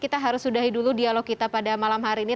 kita harus sudahi dulu dialog kita pada malam hari ini